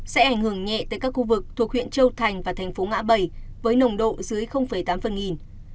sẽ ảnh hưởng nhẹ tới các khu vực thuộc huyện châu thành và thành phố ngã bảy với nồng độ dưới tám phần nghìn